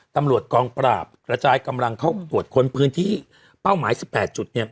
ตำรวจกองปราบกระจายกำลังเข้าตรวจค้นพื้นที่เป้าหมาย๑๘จุดเนี่ย